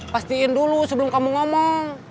pastiin dulu sebelum kamu ngomong